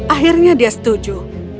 akhirnya dia setuju